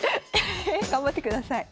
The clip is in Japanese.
頑張ってください。